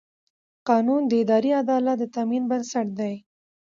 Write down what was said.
قانون د اداري عدالت د تامین بنسټ دی.